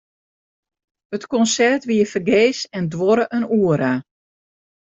It konsert wie fergees en duorre in oere.